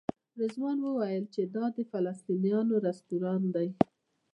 رضوان وویل چې دا د فلسطینیانو رسټورانټ دی.